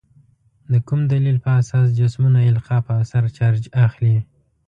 د کوم دلیل په اساس جسمونه القا په اثر چارج اخلي؟